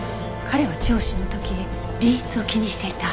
彼は聴取の時隣室を気にしていた。